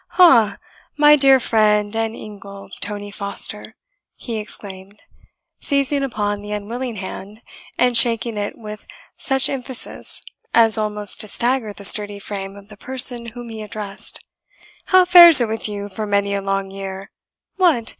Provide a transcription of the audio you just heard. "Ha! my dear friend and ingle, Tony Foster!" he exclaimed, seizing upon the unwilling hand, and shaking it with such emphasis as almost to stagger the sturdy frame of the person whom he addressed, "how fares it with you for many a long year? What!